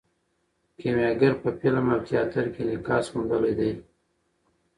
کیمیاګر په فلم او تیاتر کې انعکاس موندلی دی.